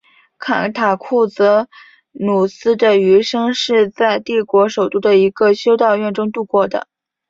坎塔库泽努斯的余生是在帝国首都的一个修道院中度过的。